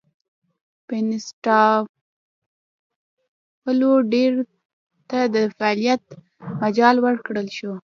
بنسټپالو ډلو ته د فعالیت مجال ورکړل شو.